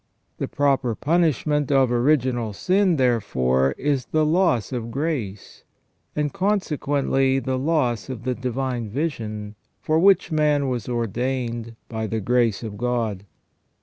The proper punishment of original sin, therefore, is the loss of grace, and consequently the loss of the divine vision for which man was ordained by the grace of God.